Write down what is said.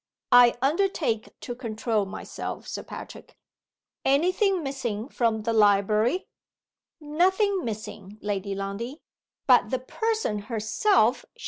"I undertake to control myself, Sir Patrick! Any thing missing from the library?" "Nothing missing, Lady Lundie, but The Person herself.